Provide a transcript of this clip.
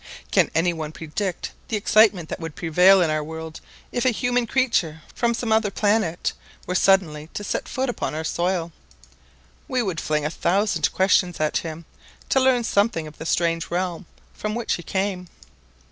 Can any one predict the excitement that would prevail in our world if a human creature from some other planet were suddenly to set foot upon our soil? We would fling a thousand questions at him to learn something of the strange realm from which he came.